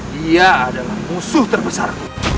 dia adalah musuh terbesar